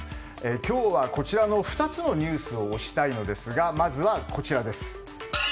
今日はこちらの２つのニュースを推したいのですがまずはこちらです。